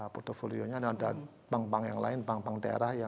portofolionya ada bank bank yang lain bank bank daerah yang